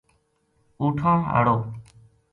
اونٹھاں ہاڑو